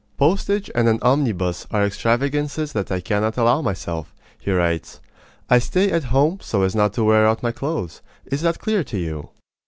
"Postage and an omnibus are extravagances that I cannot allow myself," he writes. "I stay at home so as not to wear out my clothes. Is that clear to you?"